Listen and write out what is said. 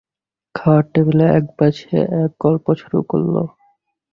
খাওয়ার টেবিলে একবার সে এক গল্প শুরু করল।